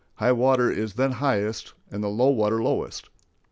High water is then highest, and low water lowest.